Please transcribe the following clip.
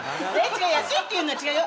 違う安いっていうのは違うよ